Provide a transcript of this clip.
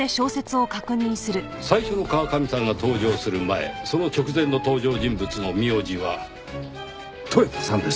最初の川上さんが登場する前その直前の登場人物の名字は豊田さんです。